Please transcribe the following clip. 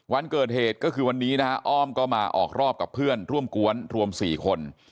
วันเกิดเหตุก็คือวันนี้นะฮะอ้อมก็มาออกรอบกับเพื่อนร่วมกวนรวม๔คน